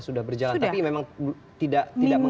itu sudah berjalan tapi memang tidak menghasilkan